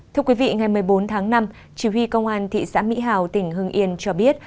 thưa quý vị ngày một mươi bốn tháng năm chỉ huy công an thị xã mỹ hào tỉnh hưng yên cho biết